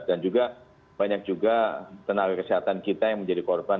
juga banyak juga tenaga kesehatan kita yang menjadi korban